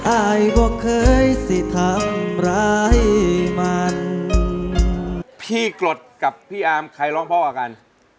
อายพวกเคยสิทำร้ายมัน